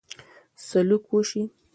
سلوک وشي.